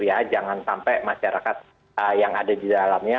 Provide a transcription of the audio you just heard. ya jangan sampai masyarakat yang ada di dalamnya